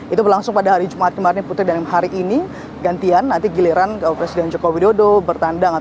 itu berlangsung pada hari jumat kemarin putri dan hari ini gantian nanti giliran ke presiden joko widodo bertandang